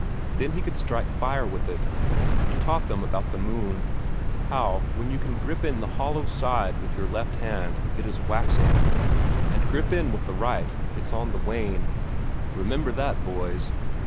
Then he could strike fire with it. He taught them about the moon, how when you can grip in the hollow side with your left hand it is waxing, and grip in with the right, it's on the wane; remember that, boys!